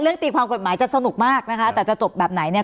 ตีความกฎหมายจะสนุกมากนะคะแต่จะจบแบบไหนเนี่ย